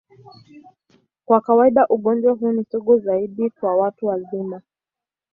Kwa kawaida, ugonjwa huu ni sugu zaidi kwa watu wazima.